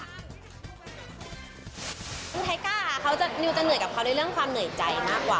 คุณไทก้าเขาจะนิวจะเหนื่อยกับเขาในเรื่องความเหนื่อยใจมากกว่า